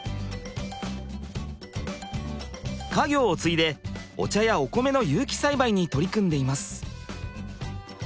家業を継いでお茶やお米の有機栽培に取り組んでいます。